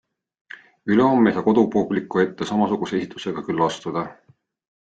Ülehomme ei saa kodupubliku ette samasuguse esitusega küll astuda.